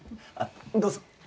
どうぞ。